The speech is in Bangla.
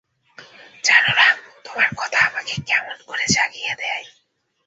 জান না, তোমার কথা আমাকে কেমন করে জাগিয়ে দেয়।